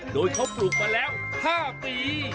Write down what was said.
โดยเขาปลูกมาแล้ว๕ปี